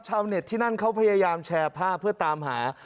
ชาวเน็ตที่นั่นเขาพยายามแชร์ภาพเพื่อตามหา